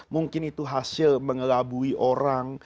mungkin itu hasil mengelabui orang